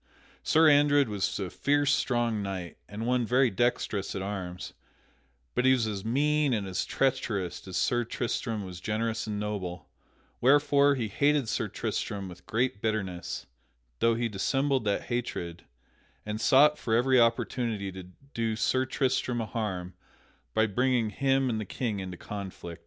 Sir Andred was a fierce strong knight, and one very dextrous at arms; but he was as mean and as treacherous as Sir Tristram was generous and noble, wherefore he hated Sir Tristram with great bitterness (though he dissembled that hatred) and sought for every opportunity to do Sir Tristram a harm by bringing him and the King into conflict.